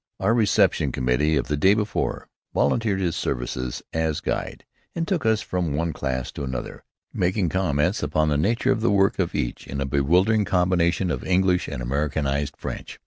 Our reception committee of the day before volunteered his services as guide, and took us from one class to another, making comments upon the nature of the work of each in a bewildering combination of English and Americanized French.